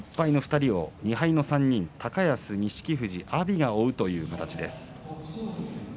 １敗の２人を２敗の３人高安、錦富士、阿炎が追うという展開です。